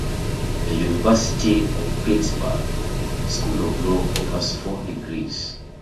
The University of Pittsburgh School of Law offers four degrees.